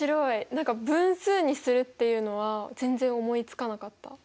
何か分数にするっていうのは全然思いつかなかった。